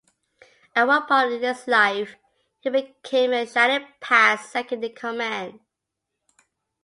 At one point in his life, he became the Shining Path's second-in-command.